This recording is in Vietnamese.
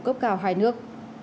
cấp cao hai nước